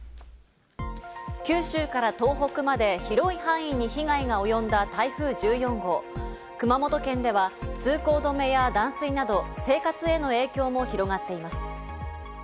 九州から東北まで広い範囲に被害がおよんだ台風１４号、熊本県では通行止めや断水など、生活への影響も広がっています。